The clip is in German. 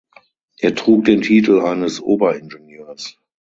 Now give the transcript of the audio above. Er trug den Titel eines Oberingenieurs.